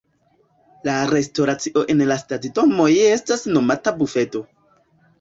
La restoracio en la stacidomoj estas nomata bufedo.